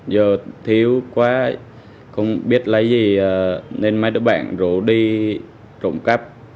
giờ thiếu quá không biết lấy gì nên mấy đứa bạn rủ đi trộm cắp